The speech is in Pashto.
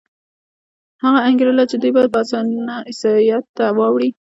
هغه انګېرله چې دوی به په اسانه عیسایت ته واوړي.